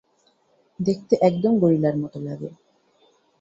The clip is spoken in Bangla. দেখতে একদম গরিলার মতো লাগে।